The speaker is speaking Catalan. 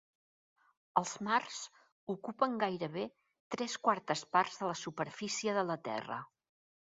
Els mars ocupen gairebé tres quartes parts de la superfície de la Terra.